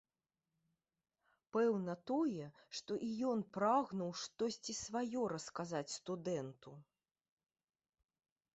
Пэўна тое, што і ён прагнуў штосьці сваё расказаць студэнту.